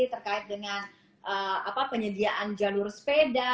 terkait dengan penyediaan jalur sepeda